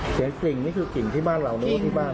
เสียงกลิ่งนี่คือกลิ่งที่บ้านเหล่านั้นหรือที่บ้าน